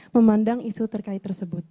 memandang isu terkait tersebut